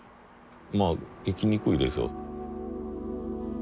まあ生きにくいですよ。